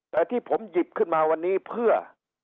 แต่ที่ผมหยิบขึ้นมาวันนี้เพื่อ